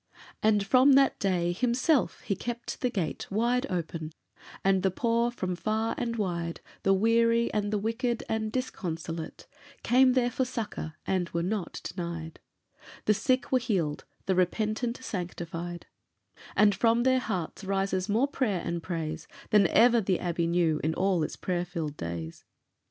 And from that day himself he kept the gate Wide open; and the poor from far and wide, The weary, and wicked, and disconsolate, Came there for succour and were not denied; The sick were healed, the repentant sanctified; And from their hearts rises more prayer and praise Than ever the abbey knew in all its prayer filled days.